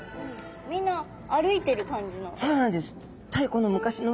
うんみんな歩いてる感じの。